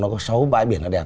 trong đó có sáu bãi biển đẹp